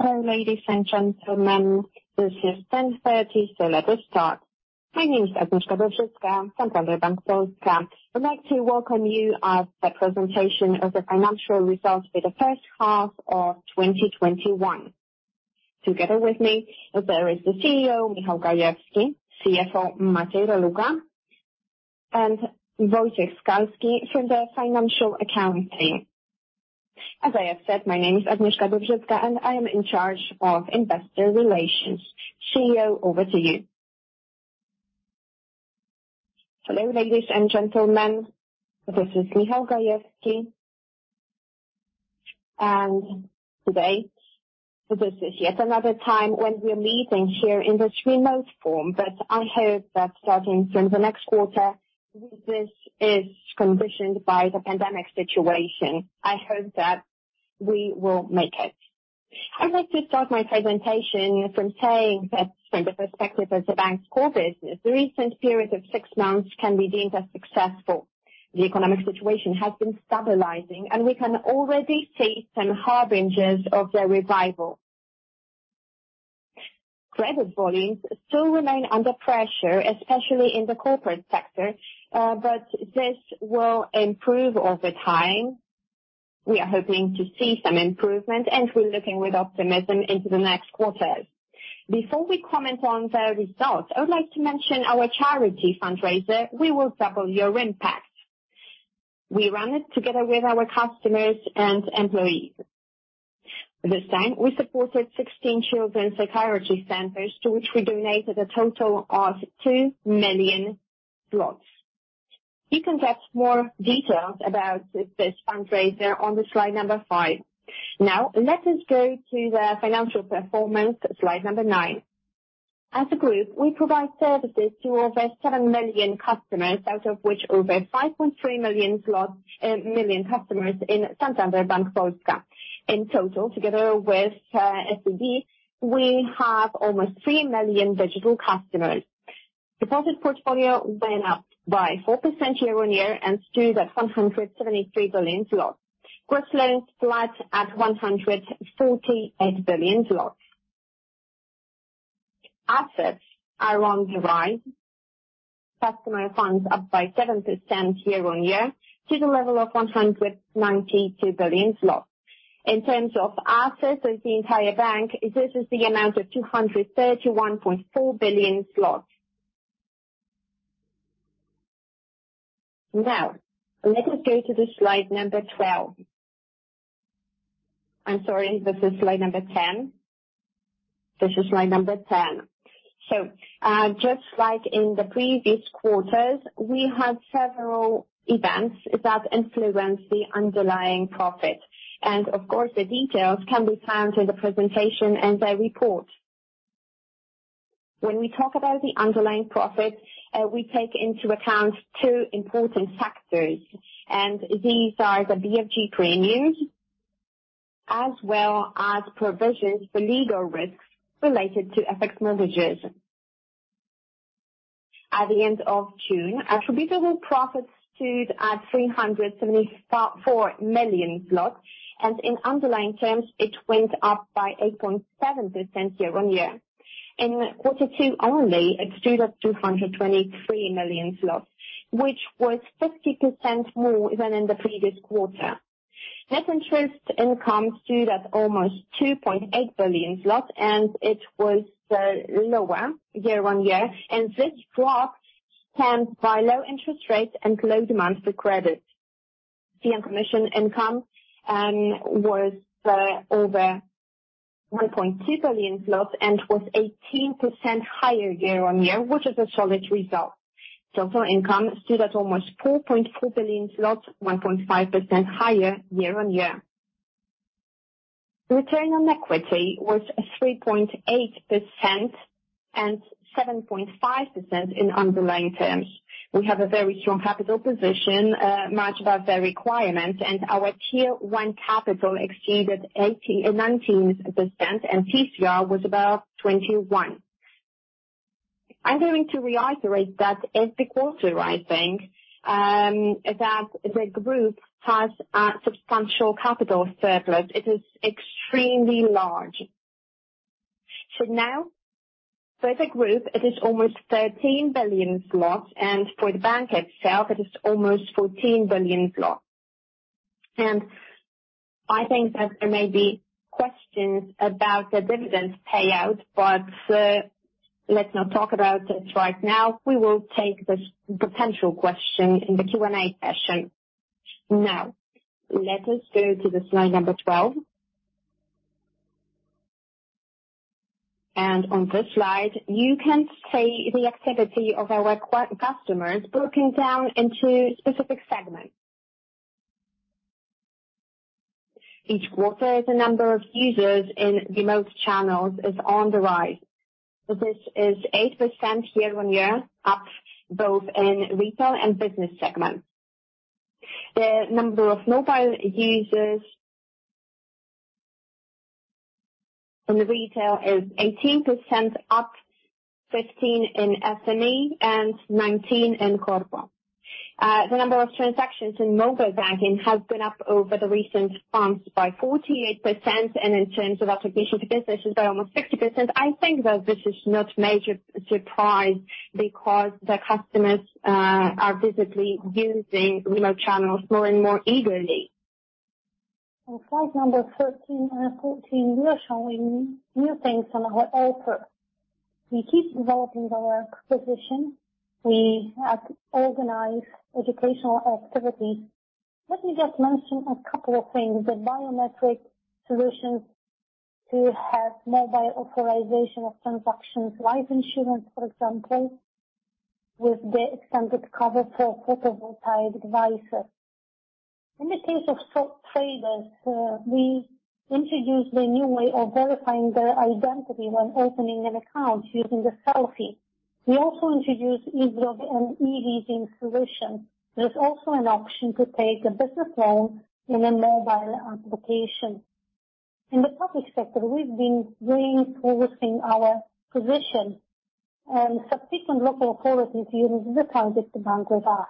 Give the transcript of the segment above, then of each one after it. Hello, ladies and gentlemen. This is 10:30 A.M., so let us start. My name is Agnieszka Dowzycka from Santander Bank Polska. I'd like to welcome you at the presentation of the financial results for the H1 of 2021. Together with me, there is the CEO, Michał Gajewski, CFO, Maciej Reluga, and Wojciech Skalski from the financial account team. As I have said, my name is Agnieszka Dobrzyńska, and I am in charge of investor relations. CEO, over to you. Hello, ladies and gentlemen. This is Michał Gajewski. Today, this is yet another time when we're meeting here in this remote form. I hope that starting from the next quarter, this is conditioned by the pandemic situation. I hope that we will make it. I'd like to start my presentation from saying that from the perspective of the bank's core business, the recent period of six months can be deemed as successful. The economic situation has been stabilizing. We can already see some harbingers of the revival. Credit volumes still remain under pressure, especially in the corporate sector. This will improve over time. We are hoping to see some improvement, and we're looking with optimism into the next quarters. Before we comment on the results, I would like to mention our charity fundraiser, We Will Double Your Impact. We run it together with our customers and employees. This time, we supported 16 children psychiatry centers, to which we donated a total of 2 million. You can get more details about this fundraiser on the slide number five. Now, let us go to the financial performance, slide number nine. As a group, we provide services to over 7 million customers, out of which over 5.3 million customers in Santander Bank Polska. In total, together with SCB, we have almost 3 million digital customers. Deposit portfolio went up by 4% year-on-year and stood at 173 billion zlotys. Gross loans flat at 148 billion zlotys. Assets are on the rise. Customer funds up by 7% year-on-year to the level of 192 billion zlotys. In terms of assets of the entire bank, this is the amount of 231.4 billion zlotys. Now, let us go to the slide number 12. I'm sorry, this is slide number 10. This is slide number 10. Just like in the previous quarters, we had several events that influenced the underlying profit. Of course, the details can be found in the presentation and the report. When we talk about the underlying profit, we take into account two important factors, and these are the BFG premiums as well as provisions for legal risks related to FX mortgages. At the end of June, attributable profits stood at 374 million zlotys. In underlying terms, it went up by 8.7% year-on-year. In quarter two only, it stood at 223 million zlotys, which was 50% more than in the previous quarter. Net interest income stood at almost 2.8 billion zlotys. It was lower year-on-year. This drop stands by low interest rates and low demand for credit. Fee and commission income was over 1.2 billion zlotys. It was 18% higher year-on-year, which is a solid result. Total income stood at almost 4.4 billion zlotys, 1.5% higher year-on-year. Return on equity was 3.8% and 7.5% in underlying terms. We have a very strong capital position, much above the requirement, our Tier one capital exceeded 19%, and TCR was about 21%. I'm going to reiterate that every quarter, I think, that the group has a substantial capital surplus. It is extremely large. For now, for the group, it is almost 13 billion zlotys, for the bank itself, it is almost 14 billion zlotys. I think that there may be questions about the dividend payout, let's not talk about it right now. We will take this potential question in the Q&A session. Let us go to the slide number 12. On this slide, you can see the activity of our customers broken down into specific segments. Each quarter, the number of users in remote channels is on the rise. This is 8% year-over-year, up both in retail and business segment. The number of mobile users in retail is 18% up 15% in SME and 19% in corporate. The number of transactions in mobile banking has been up over the recent months by 48%, and in terms of acquisition to business is by almost 60%. I think that this is not major surprise because the customers are visibly using remote channels more and more eagerly. On slide number 13 and 14, we are showing new things on our offer. We keep developing our position. We have organized educational activities. Let me just mention a couple of things. The biometric solutions to have mobile authorization of transactions. Life insurance, for example, with the extended cover for photovoltaic devices. In the case of stock traders, we introduced the new way of verifying their identity when opening an account using the selfie. We also introduced e-log and eLeasing solution. There's also an option to take a business loan in a mobile application. In the public sector, we've been reinforcing our position and subsequent local authorities using the services the bank with us.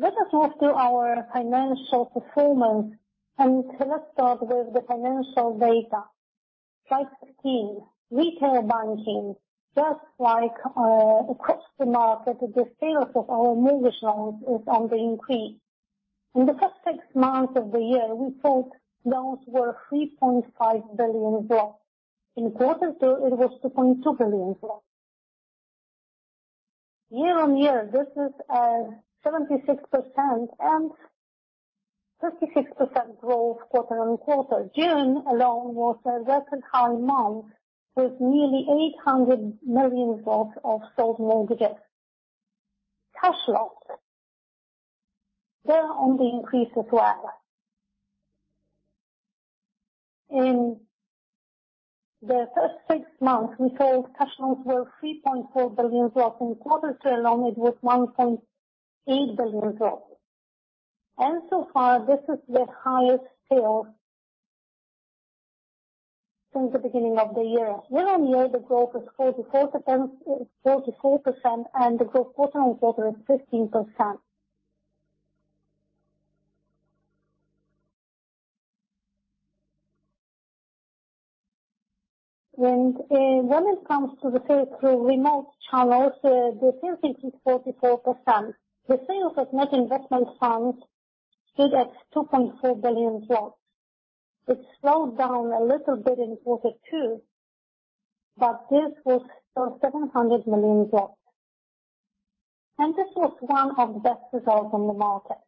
Let us move to our financial performance, and let's start with the financial data. Slide 15, retail banking. Just like across the market, the sales of our mortgage loans is on the increase. In the first six months of the year, we sold loans worth 3.5 billion zł. In quarter two, it was 2.2 billion zł. Year-on-year, this is a 76% and 36% growth quarter-on-quarter. June alone was a record high month with nearly 800 million zł of sold mortgages. Cash loans. They're on the increase as well. In the first six months, we sold cash loans worth 3.4 billion zł. In quarter two alone, it was 1.8 billion zł. So far, this is the highest sales since the beginning of the year. Year-on-year, the growth is 44%, and the growth quarter-on-quarter is 15%. When it comes to the sales through remote channels, the sales is 44%. The sales of net investment funds stood at 2.4 billion zł. It slowed down a little bit in quarter two, but this was still 700 million zł. This was one of the best results on the market.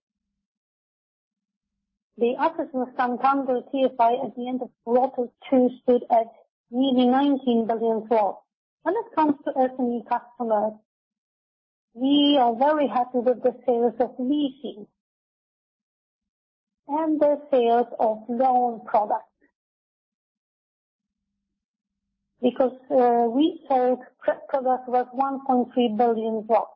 The assets under management at the end of quarter two stood at nearly 19 billion zł. When it comes to SME customers, we are very happy with the sales of leasing and the sales of loan products. Because we sold products worth 1.3 billion zł.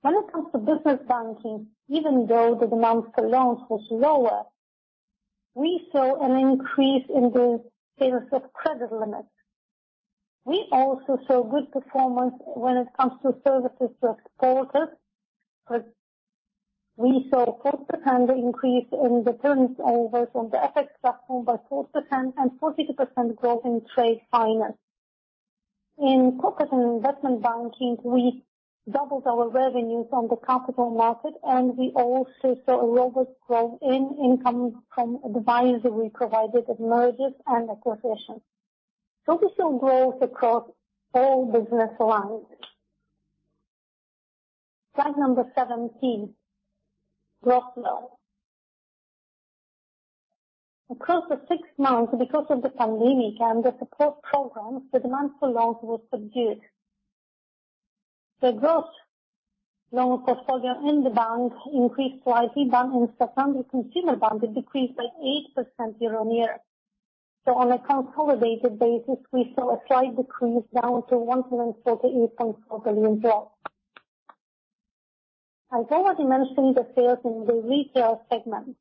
When it comes to business banking, even though the demand for loans was lower, we saw an increase in the sales of credit limits. We also saw good performance when it comes to services to exporters. We saw 4% increase in the turnovers on the FX platform by 4% and 42% growth in trade finance. In corporate and investment banking, we doubled our revenues on the capital market, and we also saw a robust growth in income from advisory provided at mergers and acquisitions. We saw growth across all business lines. Slide number 17, gross loans. Across the six months because of the pandemic and the support programs, the demand for loans was subdued. The gross loan portfolio in the bank increased slightly but in secondary consumer banking decreased by 8% year-on-year. On a consolidated basis, we saw a slight decrease down to PLN 148.4 billion. I've already mentioned the sales in the retail segment.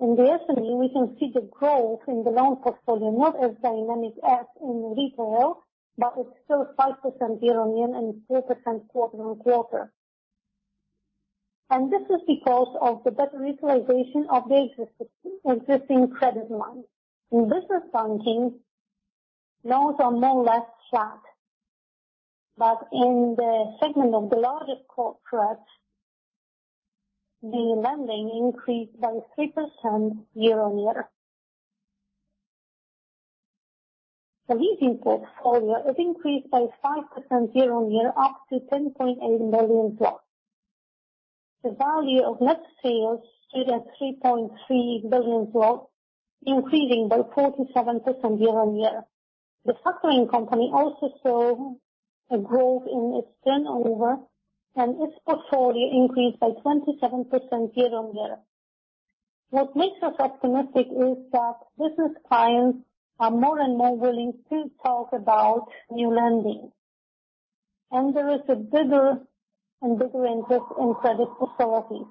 In the SME, we can see the growth in the loan portfolio, not as dynamic as in retail, but it's still 5% year-on-year and 4% quarter-on-quarter. This is because of the better utilization of the existing credit lines. In business banking, loans are more or less flat, but in the segment of the largest corporates, the lending increased by 3% year-on-year. The leasing portfolio has increased by 5% year-on-year up to 10.8 billion. The value of net sales stood at 3.3 billion, increasing by 47% year-on-year. The factoring company also saw a growth in its turnover and its portfolio increased by 27% year-on-year. What makes us optimistic is that business clients are more and more willing to talk about new lending. There is a bigger and bigger interest in credit facilities.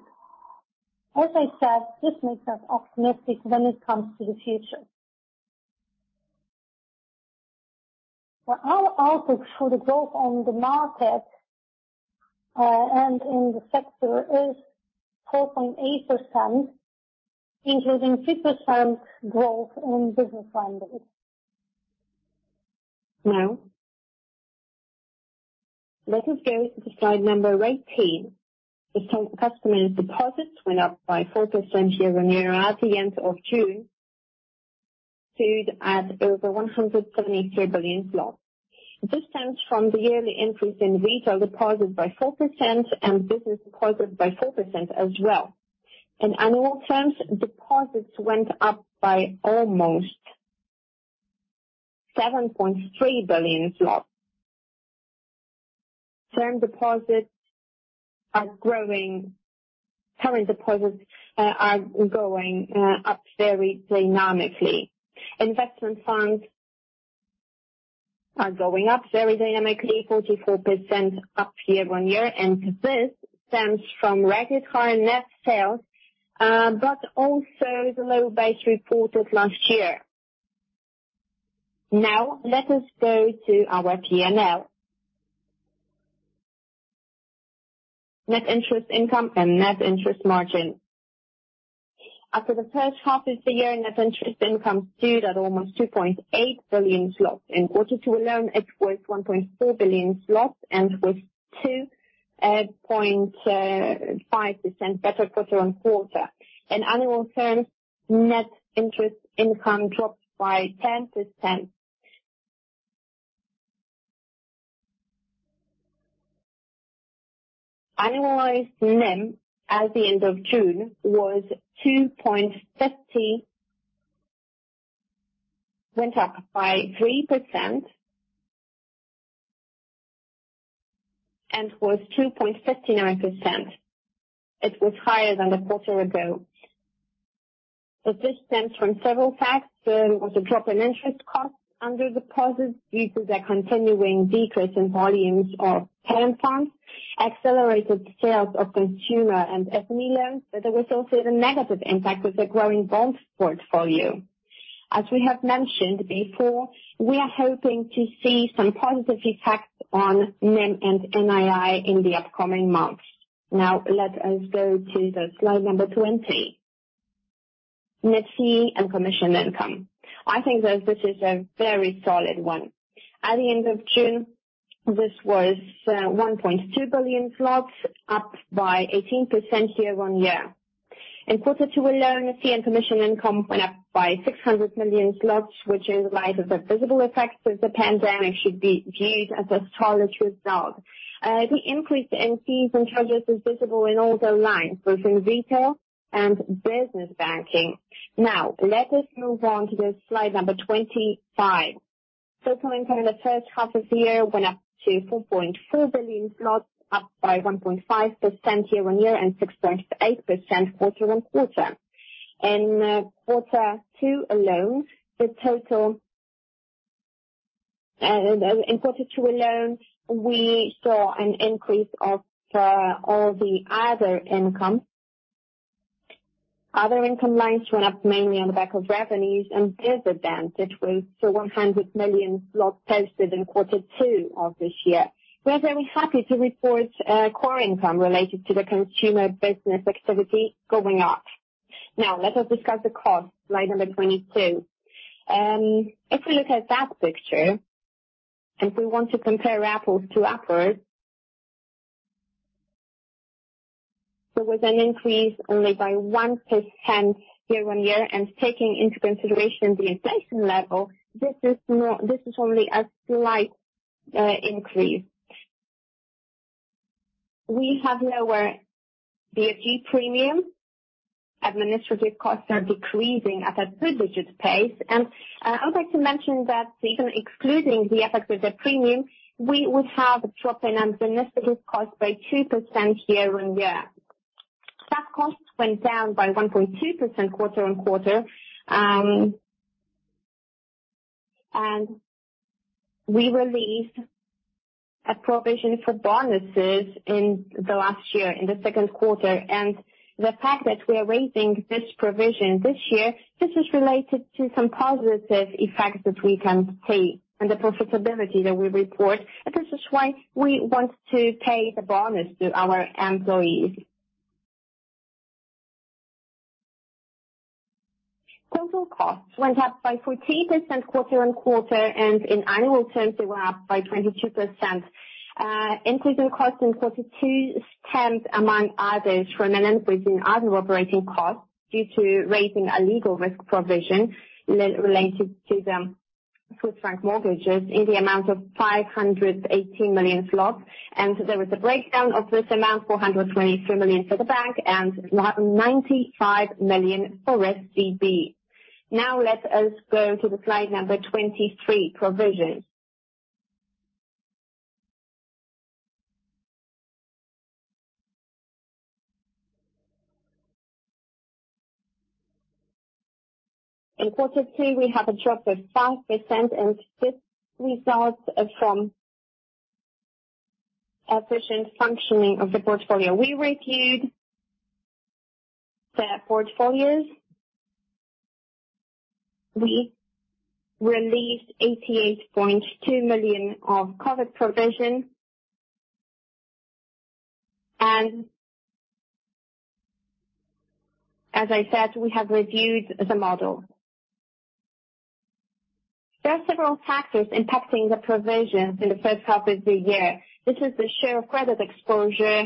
As I said, this makes us optimistic when it comes to the future. Our outlook for the growth on the market, in the sector is 4.8%, including 6% growth in business funding. Let us go to the slide number 18. The customers' deposits went up by 4% year-on-year at the end of June, stood at over 173 billion. This stems from the yearly increase in retail deposits by 4% business deposits by 4% as well. In annual terms, deposits went up by almost PLN 7.3 billion. Term deposits are going up very dynamically. Investment funds are going up very dynamically, 44% up year-on-year. This stems from record high net sales, also the low base reported last year. Let us go to our P&L. Net Interest Income and Net Interest Margin. After the H1 of the year, Net Interest Income stood at almost 2.8 billion zlotys. In quarter two alone, it was 1.4 billion zlotys and was 2.5% better quarter-on-quarter. In annual terms, net interest income dropped by 10%. Annualized NIM at the end of June went up by 3% and was 2.59%. It was higher than a quarter ago. This stems from several facts. There was a drop in interest cost under deposits due to the continuing decrease in volumes of parent funds, accelerated sales of consumer and SME loans. There was also the negative impact of the growing bond portfolio. As we have mentioned before, we are hoping to see some positive effects on NIM and NII in the upcoming months. Let us go to the slide number 20. Net fee and commission income. I think that this is a very solid one. At the end of June, this was 1.2 billion zlotys, up by 18% year-on-year. In quarter two alone, fee and commission income went up by 600 million zł which in light of the visible effects of the pandemic should be viewed as a solid result. The increase in fees and charges is visible in all the lines, both in retail and business banking. Let us move on to the slide number 25. Total income in the H1 of the year went up to 4.4 billion zł up by 1.5% year-on-year and 6.8% quarter-on-quarter. In quarter two alone, we saw an increase of all the other income. Other income lines went up mainly on the back of revenues and gains on FX with 100 million zł posted in quarter two of this year. We're very happy to report core income related to the consumer business activity going up. Let us discuss the cost. Slide number 22. If we look at that picture, if we want to compare apples to apples, there was an increase only by 1% year-on-year. Taking into consideration the inflation level, this is only a slight increase. We have lower BFG premium. Administrative costs are decreasing at a two-digit pace. I would like to mention that even excluding the effect with the premium, we would have a drop in administrative cost by 2% year-on-year. Staff costs went down by 1.2% quarter-on-quarter. We released a provision for bonuses in the last year, in the second quarter. The fact that we are raising this provision this year, this is related to some positive effects that we can see and the profitability that we report. This is why we want to pay the bonus to our employees. Total costs went up by 14% quarter-on-quarter, and in annual terms, they were up by 22%. Increasing costs in quarter two stemmed among others from an increase in other operating costs due to raising a legal risk provision related to the Swiss franc mortgages in the amount of 518 million zlotys. There was a breakdown of this amount, 423 million for the bank and 95 million for SCB. Now, let us go to the slide number 23, provisions. In quarter three, we have a drop of 5% and this results from efficient functioning of the portfolio. We reviewed the portfolios. We released 88.2 million of COVID provision. As I said, we have reviewed the model. There are several factors impacting the provision in the H1 of the year. This is the share of credit exposure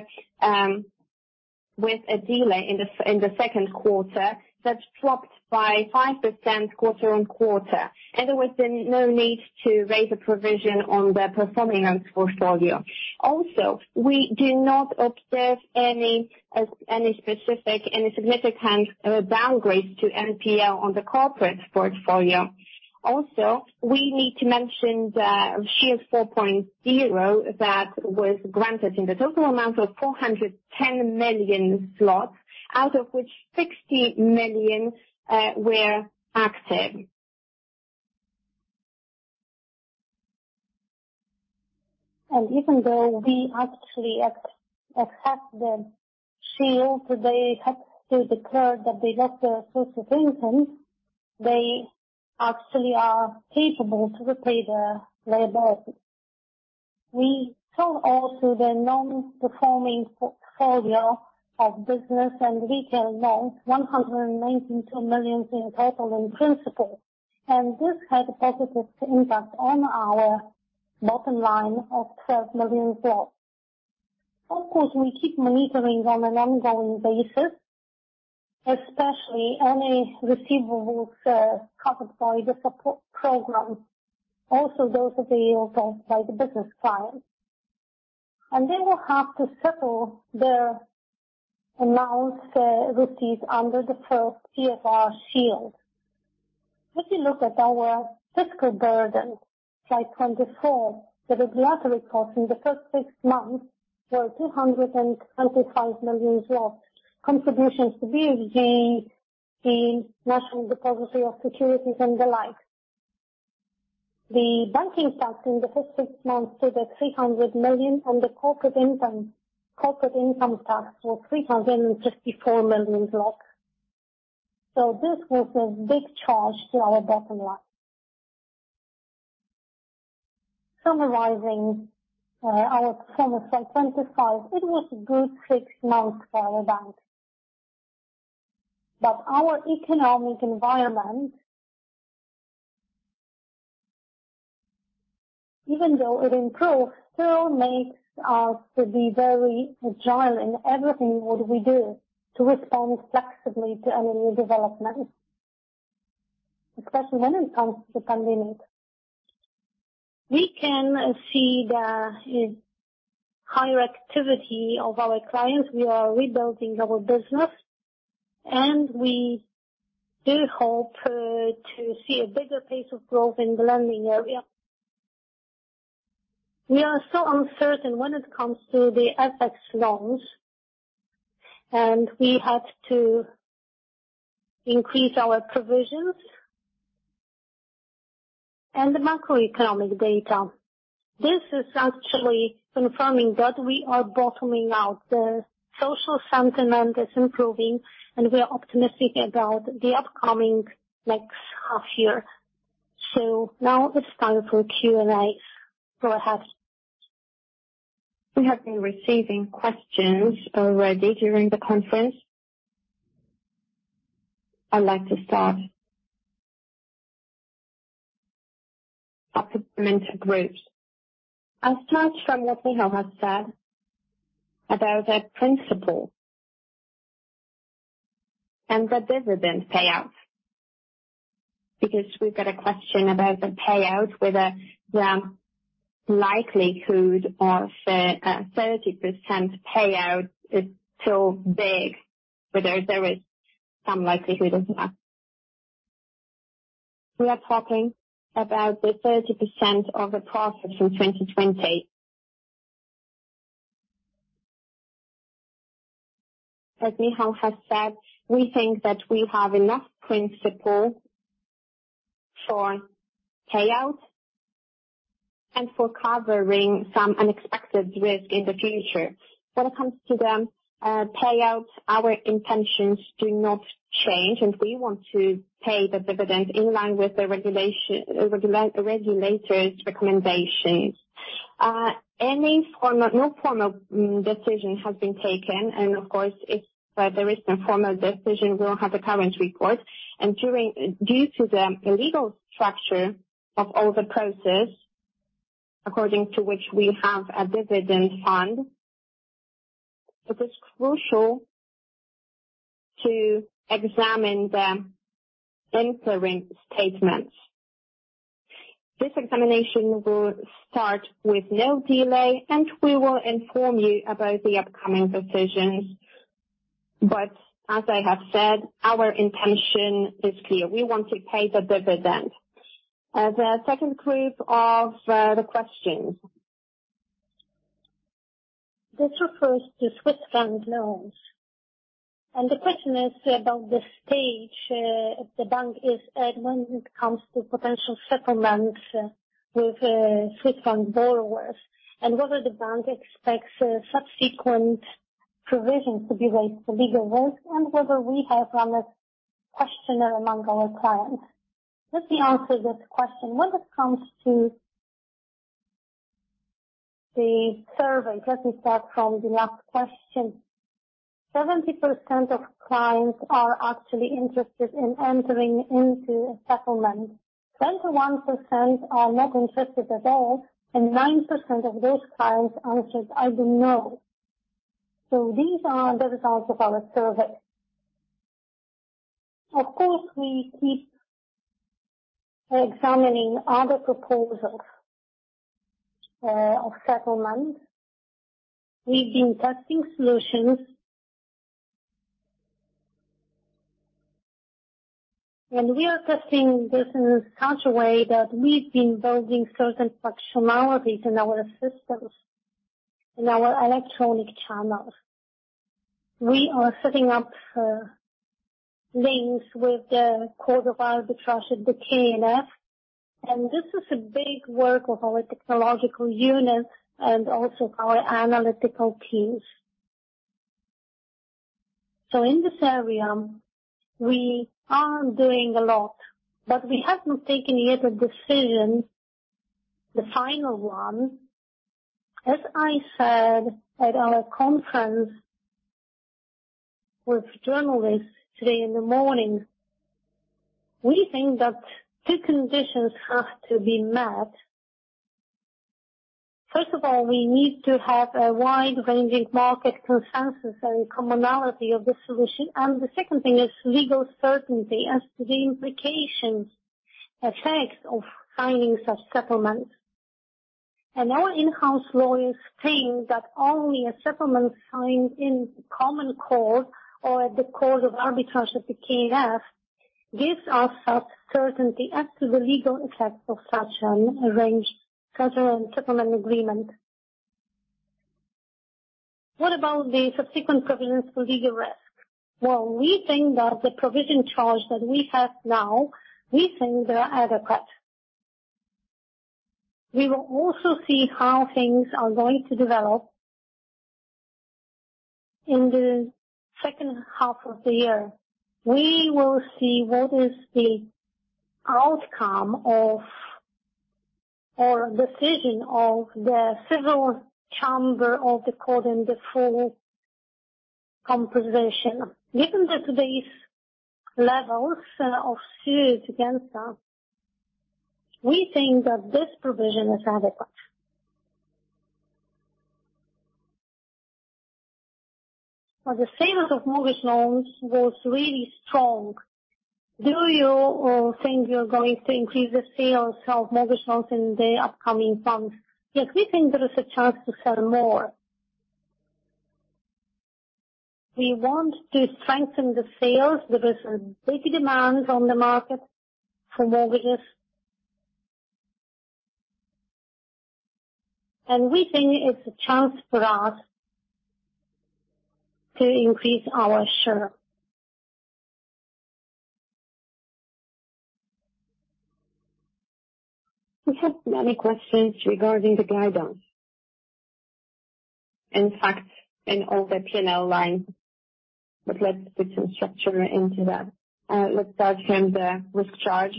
with a delay in the second quarter that dropped by 5% quarter-on-quarter. There was no need to raise a provision on the performing loans portfolio. Also, we do not observe any specific, any significant downgrades to NPL on the corporate portfolio. Also, we need to mention the shield four point zero that was granted in the total amount of 410 million zlotys, out of which 60 million were active. Even though we actually accept the shield, they have to declare that they got the associated income. They actually are capable to repay their liability. We sold also the non-performing portfolio of business and retail loans, 192 million in total in principle. This had a positive impact on our bottom line of 12 million. Of course, we keep monitoring on an ongoing basis, especially any receivables covered by the support program. Also those availed of by the business clients. They will have to settle their annuities under the first PFR Shield. If you look at our fiscal burden, slide 24, the regulatory costs in the first six months were 225 million. Contributions to BFG, the National Depository for Securities and the like. The banking sector in the first six months took a 300 million on the corporate income tax was 354 million. This was a big charge to our bottom line. Summarizing our performance, slide 25, it was a good six months for our bank. Our economic environment even though it improved, still makes us to be very agile in everything what we do to respond flexibly to any new development. Especially when it comes to funding it. We can see the higher activity of our clients. We are rebuilding our business. We do hope to see a bigger pace of growth in the lending area. We are still uncertain when it comes to the FX loans, and we had to increase our provisions. The macroeconomic data. This is actually confirming that we are bottoming out. The social sentiment is improving, and we're optimistic about the upcoming next half year. Now it's time for Q&A. Go ahead. We have been receiving questions already during the conference. I'd like to start. Fundamental groups. I'll start from what Michał has said about the principal and the dividend payouts. We've got a question about the payouts, whether the likelihood of a 30% payout is still big. Whether there is some likelihood of that. We are talking about the 30% of the profit in 2020. As Michał has said, we think that we have enough principal for payout and for covering some unexpected risk in the future. When it comes to the payouts, our intentions do not change, and we want to pay the dividend in line with the regulator's recommendations. No formal decision has been taken, and of course, if there is no formal decision, we'll have a current report. Due to the legal structure of all the process, according to which we have a dividend fund, it is crucial to examine the interim statements. This examination will start with no delay, and we will inform you about the upcoming decisions. As I have said, our intention is clear. We want to pay the dividend. The second group of the questions. This refers to Swiss franc loans. The question is about the stage the bank is at when it comes to potential settlements with Swiss franc borrowers, and whether the bank expects subsequent provisions to be raised for legal risk and whether we have run a questionnaire among our clients. Let me answer this question. When it comes to the survey, let me start from the last question. 70% of clients are actually interested in entering into a settlement. 21% are not interested at all, and 9% of those clients answered, "I don't know." These are the results of our survey. Of course, we keep examining other proposals of settlement. We've been testing solutions. We are testing this in such a way that we've been building certain functionalities in our systems, in our electronic channels. We are setting up links with the Arbitration Court at the KNF, and this is a big work of our technological unit and also our analytical teams. In this area, we are doing a lot, but we haven't taken yet a decision, the final one. As I said at our conference with journalists today in the morning, we think that two conditions have to be met. First of all, we need to have a wide-ranging market consensus and commonality of the solution. The second thing is legal certainty as to the implications effects of signing such settlements. Our in-house lawyers think that only a settlement signed in common court or at the Arbitration Court at the KNF gives us that certainty as to the legal effect of such an arranged settlement agreement. What about the subsequent provisions for legal risk? Well, we think that the provision charge that we have now, we think they are adequate. We will also see how things are going to develop in the H2 of the year. We will see what is the outcome of or decision of the Civil Chamber of the court in the full composition. Given the today's levels of suits against us, we think that this provision is adequate. Well, the sales of mortgage loans was really strong. Do you think you're going to increase the sales of mortgage loans in the upcoming months? Yes, we think there is a chance to sell more. We want to strengthen the sales. There is a big demand on the market for mortgages. We think it's a chance for us to increase our share. We have many questions regarding the guidance. In fact, in all the P&L lines. Let's put some structure into that. Let's start from the risk charge.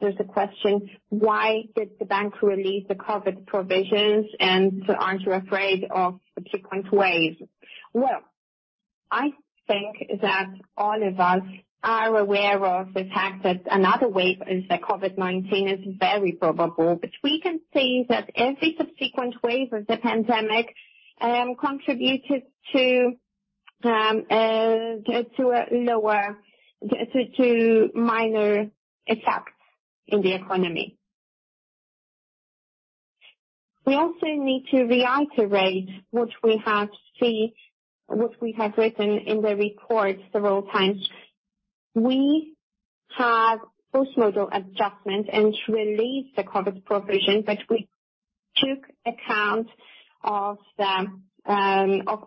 There's a question. Why did the bank release the COVID provisions, and aren't you afraid of a subsequent wave? I think that all of us are aware of the fact that another wave of the COVID-19 is very probable. We can see that every subsequent wave of the pandemic contributed to minor effects in the economy. We also need to reiterate what we have written in the report several times. We have post-model adjustment and released the COVID provision, but we took account of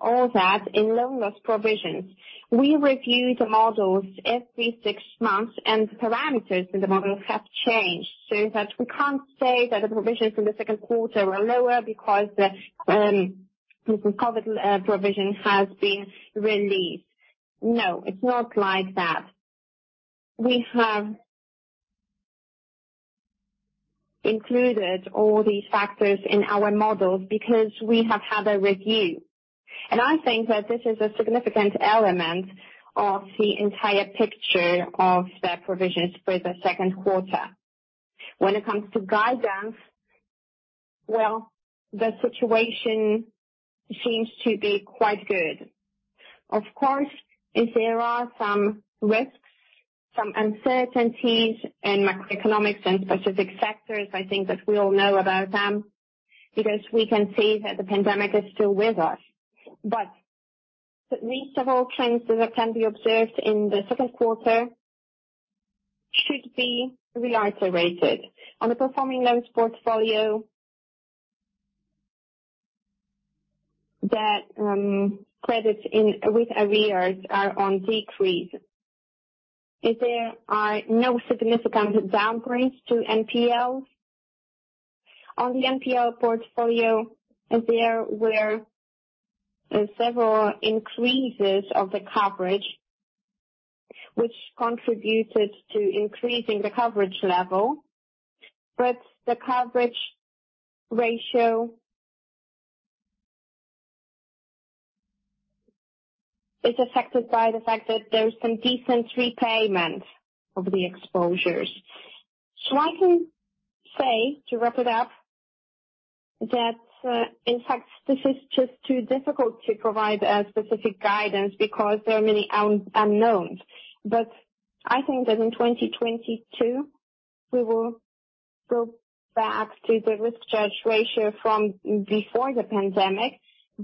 all that in loan loss provisions. We review the models every six months, and parameters in the models have changed, so that we can't say that the provisions in the second quarter were lower because the COVID provision has been released. No, it's not like that. We have included all these factors in our models because we have had a review. I think that this is a significant element of the entire picture of the provisions for the second quarter. When it comes to guidance, well, the situation seems to be quite good. Of course, there are some risks, some uncertainties in macroeconomics and specific sectors. I think that we all know about them because we can see that the pandemic is still with us. least of all trends that can be observed in the second quarter. On the performing loans portfolio, the credits with arrears are on decrease. There are no significant downgrades to NPLs. On the NPL portfolio, there were several increases of the coverage, which contributed to increasing the coverage level. The coverage ratio is affected by the fact that there are some decent repayments of the exposures. I can say, to wrap it up, that in fact, this is just too difficult to provide a specific guidance because there are many unknowns. I think that in 2022, we will go back to the risk charge ratio from before the pandemic. We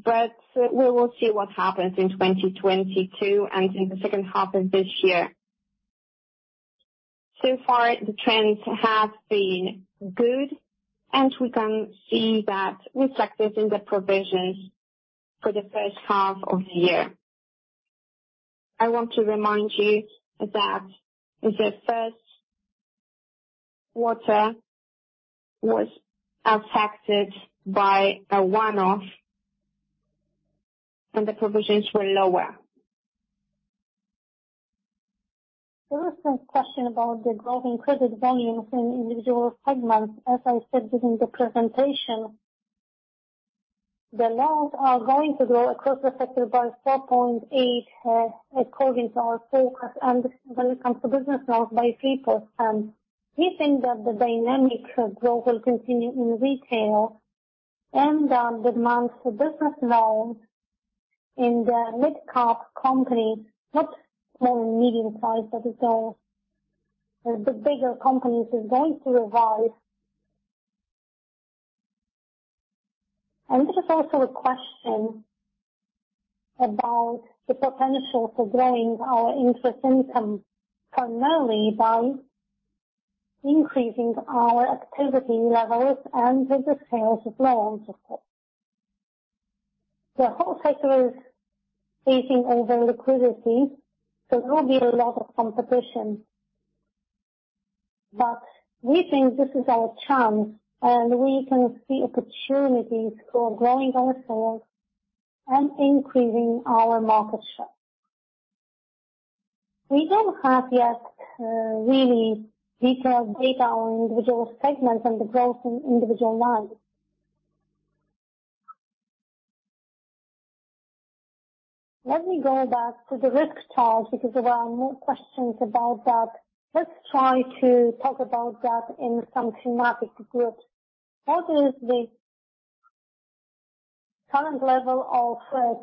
will see what happens in 2022 and in the H2 of this year. So far, the trends have been good, and we can see that reflected in the provisions for the first half of the year. I want to remind you that the first quarter was affected by a one-off, and the provisions were lower. There was some question about the growth in credit volumes in individual segments. As I said during the presentation, the loans are going to grow across the sector by 4.8% according to our forecast and when it comes to business loans by PFR. We think that the dynamic growth will continue in retail and demand for business loans in the mid-cap companies, not small and medium-sized but the bigger companies, is going to revive. There is also a question about the potential for growing our interest income, primarily by increasing our activity levels and with the sales of loans, of course. The whole sector is facing over liquidity, so there will be a lot of competition. We think this is our chance, and we can see opportunities for growing our sales and increasing our market share. We don't have yet really detailed data on individual segments and the growth in individual lines. Let me go back to the risk charge because there are more questions about that. Let's try to talk about that in some thematic groups. What is the current level of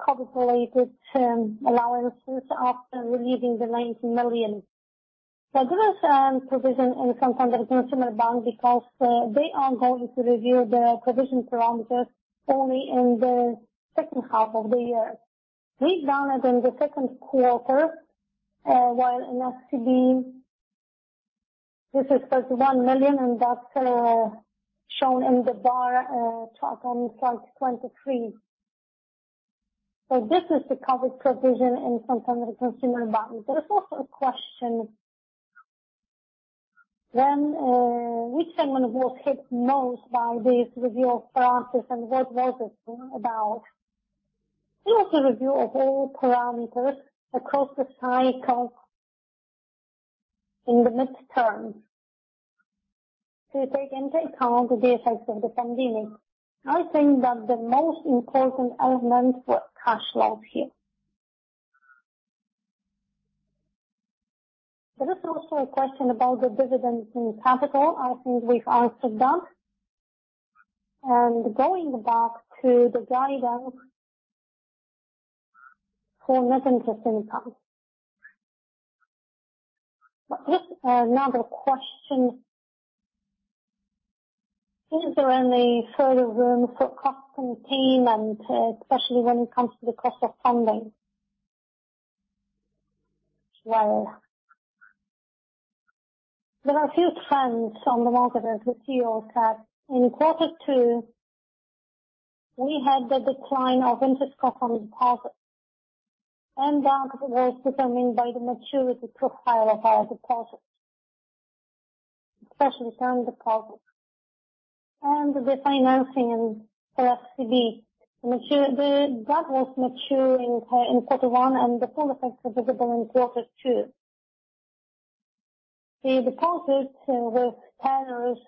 COVID-19-related term allowances after relieving the 19 million? This provision in Santander Consumer Bank because they are going to review the provision parameters only in the H2 of the year. We've done it in the second quarter while in SCB this is 31 million, and that's shown in the bar chart on slide 23. This is the COVID-19 provision in Santander Consumer Bank. There is also a question then, which segment was hit most by this review of parameters and what was it about? We also review a whole parameter across the cycle in the midterm to take into account the effects of the pandemic. I think that the most important elements were cash flows here. There is also a question about the dividends in capital. I think we've answered that. Going back to the guidance for net interest income. There's another question. Is there any further room for cost containment especially when it comes to the cost of funding? There are a few trends on the market that we see also. In quarter two, we had the decline of interest cost on deposits, and that was determined by the maturity profile of our deposits, especially term deposits. The financing in FCB. That was maturing in quarter one, and the full effects are visible in quarter two. The deposits with tenors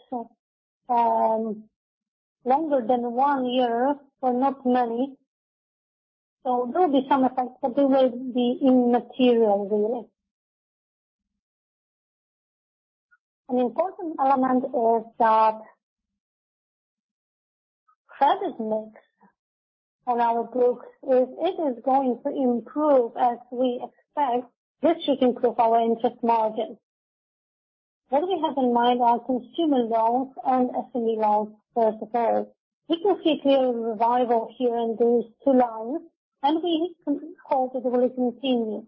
longer than one year were not many. There will be some effects that they will be immaterial, really. An important element is that credit mix on our group, if it is going to improve as we expect, this should improve our interest margin. What we have in mind are consumer loans and SME loans first of all. We can see a clear revival here in those two lines, and we hope that will continue.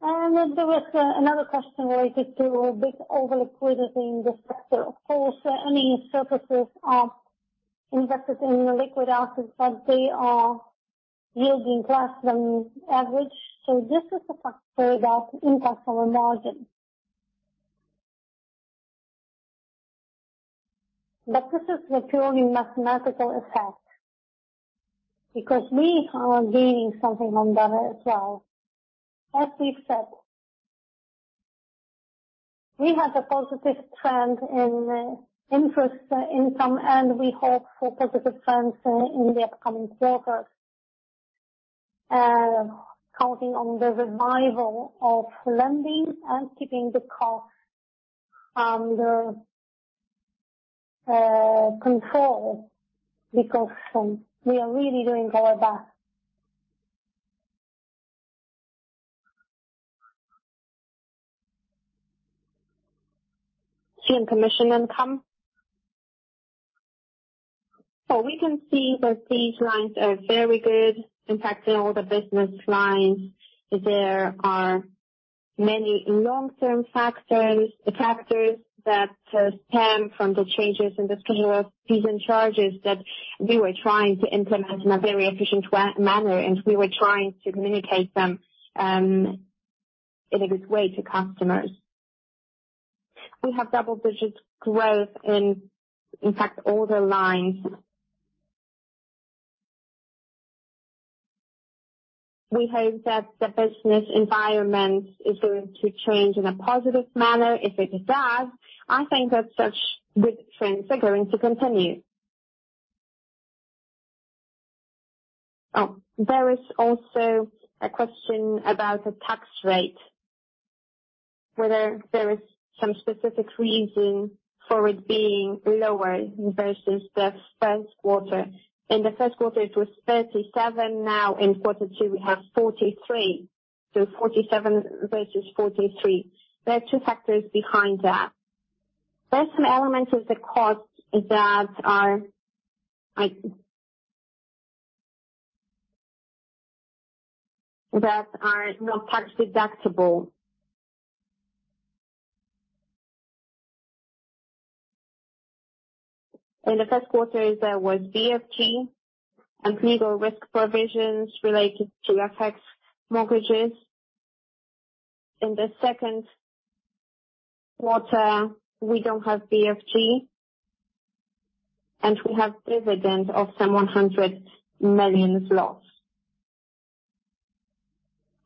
There was another question related to a bit over liquidity in the sector. Of course, any surpluses are invested in liquid assets, they are yielding less than average. This is a factor that impacts our margin. This is a purely mathematical effect because we are gaining something from that as well. As we've said, we had a positive trend in interest income, and we hope for positive trends in the upcoming quarters. Counting on the revival of lending and keeping the cost under control because we are really doing our best. Fee and commission income. We can see that these lines are very good. In fact, in all the business lines, there are many long-term factors. The factors that stem from the changes in the schedule of fees and charges that we were trying to implement in a very efficient manner, and we were trying to communicate them in a good way to customers. We have double-digit growth in fact, all the lines. We hope that the business environment is going to change in a positive manner. If it does, I think that such good trends are going to continue. There is also a question about the tax rate. Whether there is some specific reason for it being lower versus the first quarter. In the first quarter, it was 37%. Now in quarter two we have 43%. 47% versus 43%. There are two factors behind that. There are some elements of the cost that are non-tax deductible. In the first quarter, there was BFG and legal risk provisions related to FX mortgages. In the second quarter, we don't have BFG and we have dividends of some 100 million.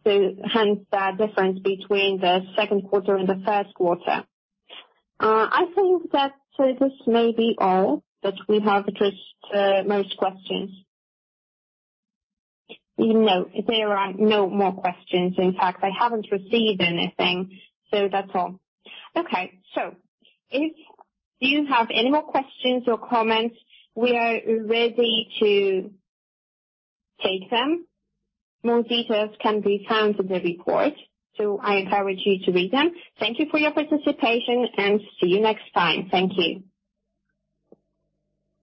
Hence the difference between the second quarter and the first quarter. I think that this may be all, that we have addressed most questions. No. There are no more questions. In fact, I haven't received anything. That's all. If you have any more questions or comments, we are ready to take them. More details can be found in the report. I encourage you to read them. Thank you for your participation and see you next time. Thank you.